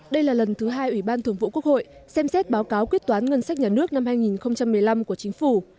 đây là lần thứ hai ủy ban thường vụ quốc hội xem xét báo cáo quyết toán ngân sách nhà nước năm hai nghìn một mươi năm của chính phủ